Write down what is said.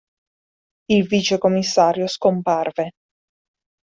Il vicecommissario scomparve.